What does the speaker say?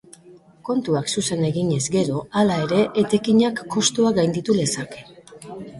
Kontuak zuzen eginez gero, hala ere, etekinak kostua gainditu lezake.